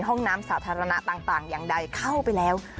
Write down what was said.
ห้องน้ำสาธารณะต่างอย่างใดเข้าไปแล้ว